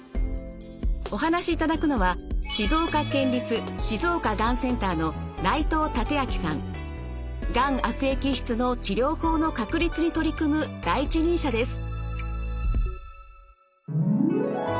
お話しいただくのはがん悪液質の治療法の確立に取り組む第一人者です。